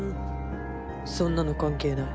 そんなの関係ない。